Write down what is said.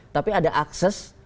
tapi ada akses